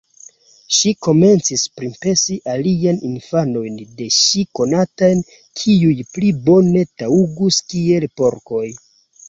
Ŝi komencis pripensi aliajn infanojn de ŝi konatajn, kiuj pli bone taŭgus kiel porkoj.